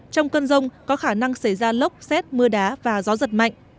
trong cơn rông có khả năng xảy ra lốc xét mưa đá và gió giật mạnh